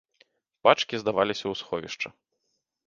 Пачкі здаваліся ў сховішча.